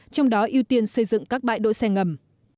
trong đó ưu tiên xây dựng các bãi đỗ xe ngầm